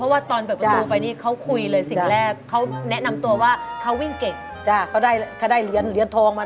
๒๓วันนี้เลย